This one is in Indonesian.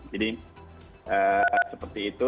jadi seperti itu